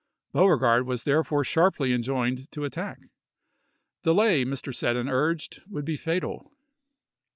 Beauregard was therefore sharply enjoined to attack. Delay, Mr. Seddon urged, would be fatal.